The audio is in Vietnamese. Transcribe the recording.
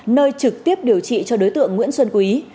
nơi trực tiếp điều trị cho đối tượng nguyễn xuân quý